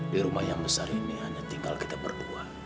di rumah yang besar ini hanya tinggal kita berdua